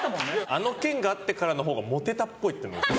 あの件があってからの方がモテたっぽい。